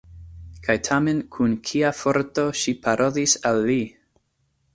Kaj tamen kun kia forto ŝi parolis al li!